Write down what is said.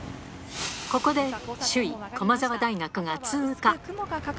ここで首位、駒澤大学が通過。